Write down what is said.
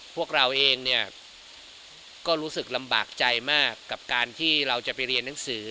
พวกเราเองเนี่ยก็รู้สึกลำบากใจมากกับการที่เราจะไปเรียนหนังสือ